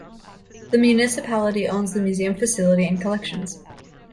The municipality owns the museum facility and collections.